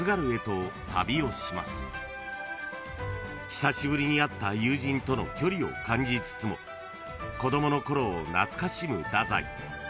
［久しぶりに会った友人との距離を感じつつも子供の頃を懐かしむ太宰］